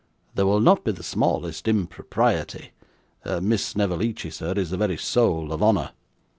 There will not be the smallest impropriety Miss Snevellicci, sir, is the very soul of honour.